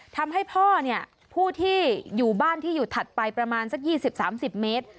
ทำให้พ่อเนี่ยผู้ที่อยู่บ้านที่อยู่ถัดไปประมาณสัก๒๐๓๐เมตร